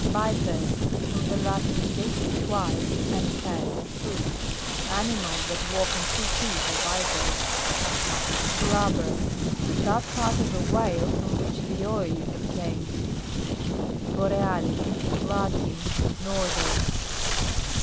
BIPED From the Latin, bis, twice, and pes, foot. Animals that walk on two feet are biped. BLUBBER. That part of a whale from which the oil is obtained. BOREALIS. Latin. Northern.